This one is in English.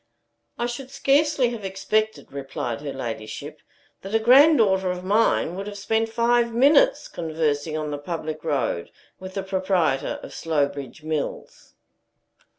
"I should scarcely have expected," replied her ladyship, "that a granddaughter of mine would have spent five minutes conversing on the public road with the proprietor of Slowbridge Mills."